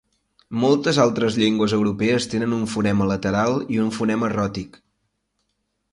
Moltes altres llengües europees tenen un fonema lateral i un fonema ròtic.